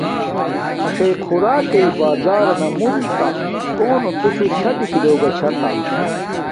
ایشی خوراکݵ بارانا مونتا کونو توشوہ شاہ دکھلوگا چھاتا۔